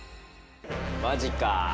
マジか。